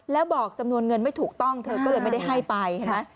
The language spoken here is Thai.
แล้วบอกจำนวนเงินไม่ถูกต้องเธอก็เลยไม่ได้ให้ไปเห็นไหม